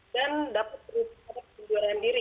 dan dapat berusaha mengundurkan diri